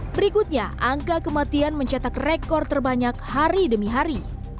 berikutnya angka kematian mencetak rekor terbanyak hari demi hari